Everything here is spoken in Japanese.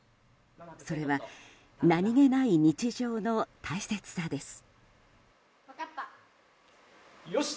それは何気ない日常の大切さです。